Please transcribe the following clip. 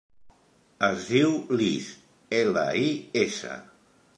Es diu Lis: ela, i, essa.